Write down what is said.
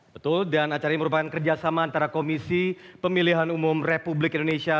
betul dan acara ini merupakan kerjasama antara komisi pemilihan umum republik indonesia